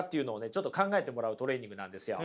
ちょっと考えてもらうトレーニングなんですよ。